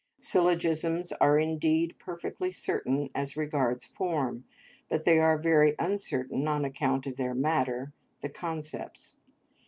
Syllogisms are indeed perfectly certain as regards form, but they are very uncertain on account of their matter, the concepts.